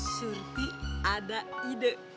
surti ada ide